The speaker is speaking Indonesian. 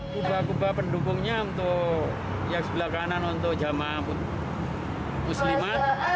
kuba kuba pendukungnya untuk yang sebelah kanan untuk jamaah muslimat